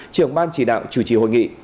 trưởng ban chỉ đạo chủ trì hội nghị